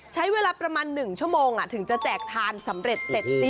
ใช้เวลาประมาณหนึ่งชั่วโมงถึงจะแจกธานสำเร็จ